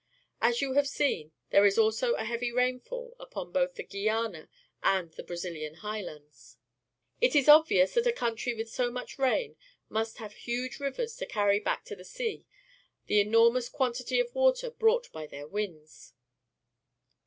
As you have seen, there is also a heavy rain fall upon both the Guiana and the BraziUan Highlands. It is obvious that a country with so much rain must have huge rivers to carry back to the sea the enormous quantity of water brought by the winds.